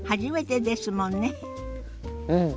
うん。